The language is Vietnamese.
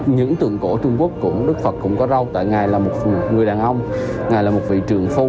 những tượng cổ trung quốc cũng đức phật cũng có rau tại ngài là một người đàn ông ngài là một vị trường phong